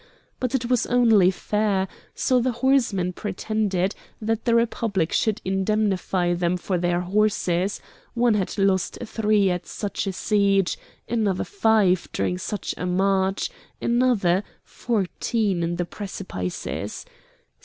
But it was only fair, so the horsemen pretended, that the Republic should indemnify them for their horses; one had lost three at such a siege, another, five during such a march, another, fourteen in the precipices.